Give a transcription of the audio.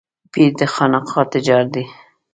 پير د خانقاه تجار دی.